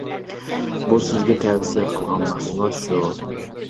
بۇ سىزگە تەۋسىيە قىلغان مەھسۇلات شۇ.